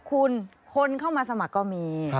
คุณคนเข้ามาสมัครก็มี